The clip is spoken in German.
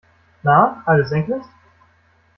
Na, alles senkrecht?